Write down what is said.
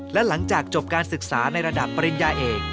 และหลังจากจบการศึกษาในระดับปริญญาเอก